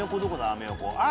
アメ横あ！